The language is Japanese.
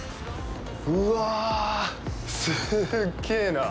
うわあ、すっげえな。